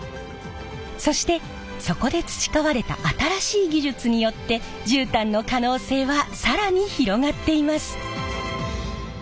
そしてそこで培われた新しい技術によって絨毯の可能性は更に広がっています。